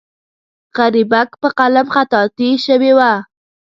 غریبک په قلم خطاطي شوې وه.